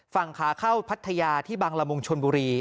ฝั่งขาเข้าพัทยาชนบุรี